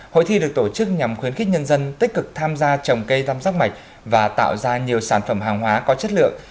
hội thi được tổ chức nhằm khuyến khích nhân dân tích cực tham gia trồng cây tam giác mạch và tạo ra nhiều sản phẩm hàng hóa có chất lượng